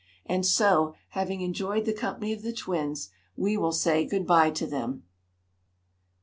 And so, having enjoyed the company of the twins, we will say goodbye to them.